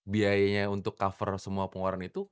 biayanya untuk cover semua pengeluaran itu